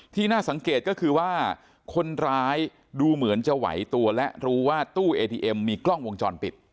น่าสังเกตก็คือว่าคนร้ายดูเหมือนจะไหวตัวและรู้ว่าตู้เอทีเอ็มมีกล้องวงจรปิด